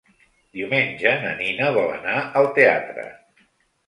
Diumenge na Nina vol anar al teatre.